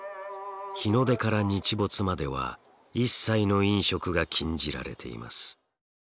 日の出から日没までは一切の飲食が禁じられています。